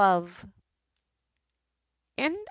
THE END.